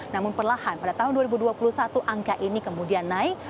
namun perlahan pada tahun dua ribu dua puluh satu angka ini kemudian naik